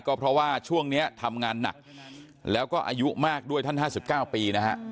ก็เพราะว่าช่วงนี้ทำงานหนักแล้วก็อายุมากด้วยท่าน๕๙ปีนะฮะ